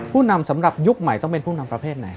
นำสำหรับยุคใหม่ต้องเป็นผู้นำประเภทไหน